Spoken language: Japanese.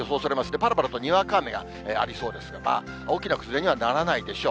ぱらぱらとにわか雨がありそうですが、大きな崩れにはならないでしょう。